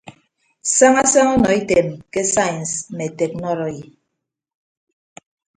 Saña saña ọnọ item ke sains mme teknọrọyi.